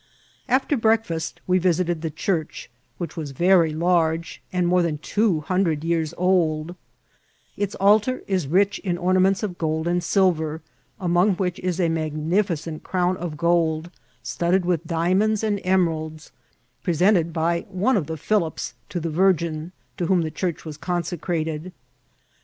After breakfast we visited the church, ^diich was Tery large, and more than two hundred years old ; its altar is rich in ornaments of gold and silver, among which is a magnificent crown of gold, studded with dia monds and ^neralds, presented by one of the Philips to the Virgin, to whom the church was consecrated.